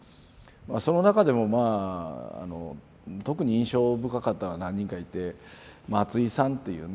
その中でもまあ特に印象深かったのが何人かいて松井さんっていうね